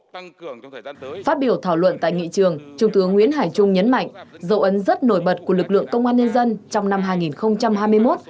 phát biểu thảo luận tại nghị trường trung tướng nguyễn hải trung nhấn mạnh dấu ấn rất nổi bật của lực lượng công an nhân dân trong năm hai nghìn hai mươi một